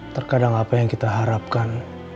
terkadang apa yang kita harapkan